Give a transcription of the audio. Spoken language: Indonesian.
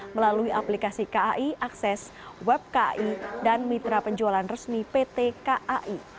melalui aplikasi kai akses web kai dan mitra penjualan resmi pt kai